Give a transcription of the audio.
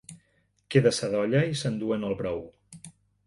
Queda sadolla i s'enduen el brou.